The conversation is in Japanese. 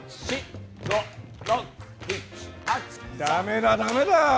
ダメだダメだ。